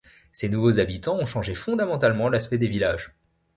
Ces nouveaux habitants ont changé fondamentalement l’aspect des villages.